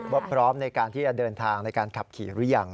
พร้อมในการที่จะเดินทางในการขับขี่หรือยัง